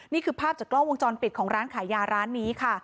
นี่คือภาพจากกล้องวงจรปิดของร้านขายยาร้านนี้ค่ะ